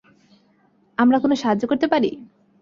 আমরা কোন সাহায্য করতে পারি?